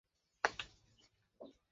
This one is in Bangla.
আপনাকে দেখতে বেশ ভালো লাগছে।